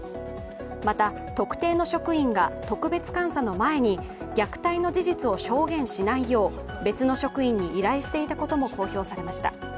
また、特定の職員が特別監査の前に虐待の事実を証言しないよう、別の職員に依頼していたことも公表されました。